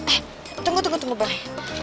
eh tunggu tunggu boy